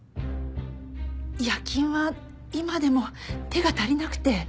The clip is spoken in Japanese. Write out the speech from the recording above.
夜勤は今でも手が足りなくて。